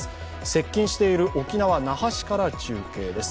接近している沖縄・那覇市から中継です。